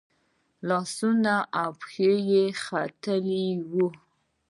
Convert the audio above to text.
لاسونه او پښې یې ختلي وي.